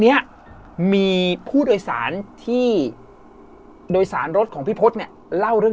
เนี้ยมีผู้โดยสารที่โดยสารรถของพี่พศเนี่ยเล่าเรื่อง